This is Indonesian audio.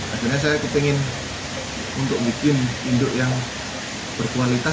akhirnya saya ingin untuk bikin induk yang berkualitas